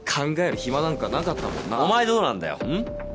お前どうなんだようん？